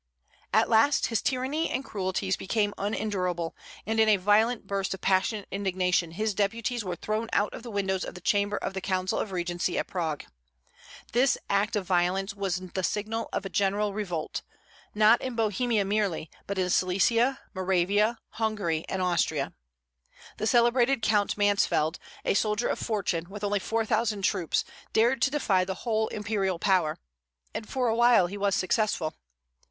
At last his tyranny and cruelties became unendurable, and in a violent burst of passionate indignation his deputies were thrown out of the windows of the chamber of the Council of Regency at Prague. This act of violence was the signal of a general revolt, not in Bohemia merely, but in Silesia, Moravia, Hungary, and Austria. The celebrated Count Mansfeld, a soldier of fortune, with only four thousand troops, dared to defy the whole imperial power; and for a while he was successful.